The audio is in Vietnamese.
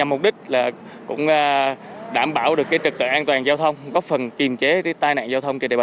mục đích là cũng đảm bảo được trật tự an toàn giao thông góp phần kiềm chế tai nạn giao thông trên địa bàn